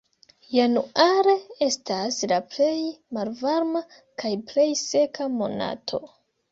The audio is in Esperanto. Januare estas la plej malvarma kaj plej seka monato.